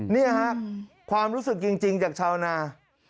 นี่ฮะความรู้สึกจริงจากชาวนา